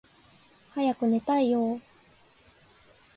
早く寝たいよーー